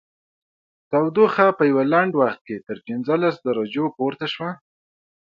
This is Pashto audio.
تودوخه په یوه لنډ وخت کې تر پنځلس درجو پورته شوه